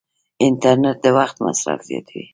انټرنیټ د وخت مصرف زیاتوي.